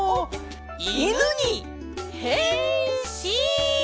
いぬにへんしん！